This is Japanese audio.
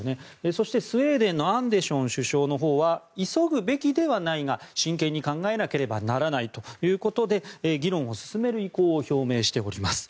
そしてスウェーデンのアンデション首相は急ぐべきではないが真剣に考えなければならないということで議論を進める意向を表明しています。